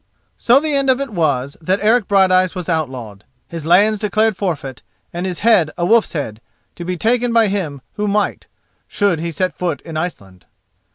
So the end of it was that Eric Brighteyes was outlawed, his lands declared forfeit, and his head a wolf's head, to be taken by him who might, should he set foot in Iceland.